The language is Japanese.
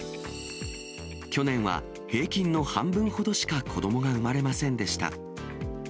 去年は平均の半分ほどしか子どもが生まれませんでした。